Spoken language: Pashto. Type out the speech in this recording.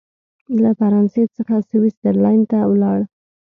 له فرانسې څخه سویس زرلینډ ته ولاړ.